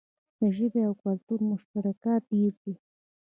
د ژبې او کلتور مشترکات ډیر دي.